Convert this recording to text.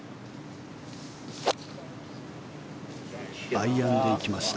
アイアンで行きました。